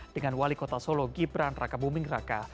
dengan wali kota solo gibran raka buming raka